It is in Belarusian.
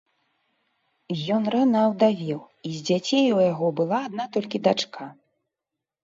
Ён рана аўдавеў, і з дзяцей у яго была адна толькі дачка.